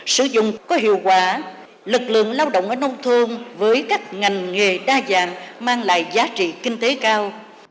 sử dụng có hiệu quả lực lượng lao động ở nông thôn với các ngành nghề đa dạng mang lại giá trị kinh tế cao